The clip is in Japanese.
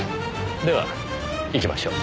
では行きましょう。